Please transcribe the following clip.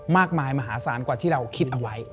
มหาศาลกว่าที่เราคิดเอาไว้